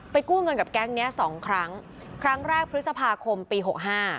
กู้เงินกับแก๊งนี้สองครั้งครั้งแรกพฤษภาคมปีหกห้า